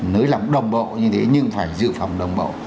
nếu làm đồng bộ như thế nhưng phải dự phòng đồng bộ